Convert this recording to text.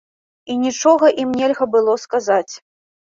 І нічога ім нельга было сказаць.